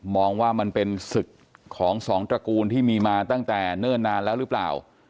ว่ามันเป็นศึกของสองตระกูลที่มีมาตั้งแต่เนิ่นนานแล้วหรือเปล่า